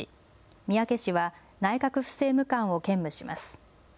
三宅氏は内閣府政務官を兼務します。